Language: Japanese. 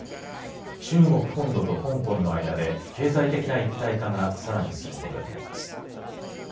中国本土と香港の間で経済的な一体化がさらに進むことになります。